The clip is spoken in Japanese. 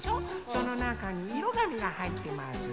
そのなかにいろがみがはいってます。